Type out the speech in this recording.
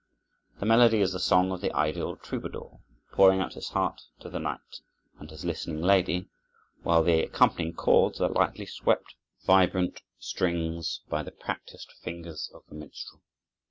The melody is the song of the ideal troubadour, pouring out his heart to the night and his listening lady, while the accompanying chords are lightly swept from vibrant strings by the practised fingers of the minstrel.